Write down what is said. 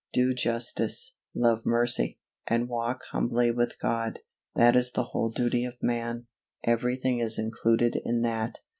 "Do justice, love mercy, and walk humbly with God;" that is the whole duty of man everything is included in that.